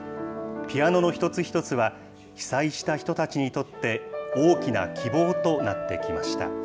ピアノの一つ一つは、被災した人たちにとって大きな希望となってきました。